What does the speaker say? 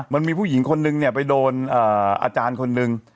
มันมีผู้หญิงคนนึงเนี่ยไปโดนอาจารย์คนหนึ่ง